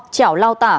chẻo lao tả